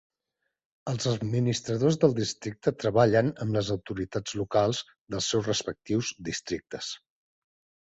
Els administradors del districte treballen amb les autoritats locals dels seus respectius districtes.